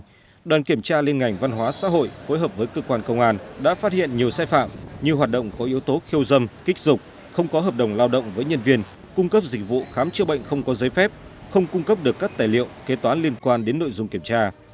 trong đêm ngày một mươi ba tháng bảy đoàn kiểm tra liên ngành văn hóa xã hội phối hợp với cơ quan công an đã phát hiện nhiều sai phạm như hoạt động có yếu tố khiêu dâm kích dục không có hợp đồng lao động với nhân viên cung cấp dịch vụ khám chữa bệnh không có giấy phép không cung cấp được các tài liệu kế toán liên quan đến nội dung kiểm tra